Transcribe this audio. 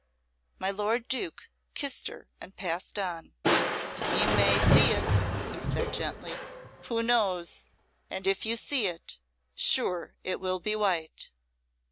My lord Duke kissed her and passed on. "You may see it," he said, gently. "Who knows and if you see it, sure it will be white."